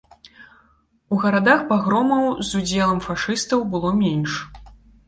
У гарадах пагромаў, з удзелам фашыстаў, было менш.